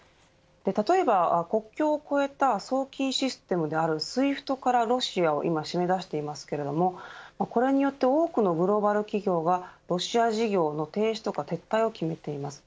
例えば、国境を越えた送金システムであるＳＷＩＦＴからロシアを締め出していますけれどこれによって多くのグローバル企業はロシア事業の停止や撤退を決めています。